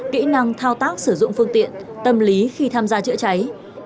kỹ năng thao tác sử dụng phương tiện tâm lý khi tham gia chữa cháy